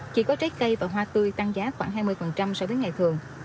chỉ có trái cây và hoa tươi tăng giá khoảng hai mươi so với ngày thường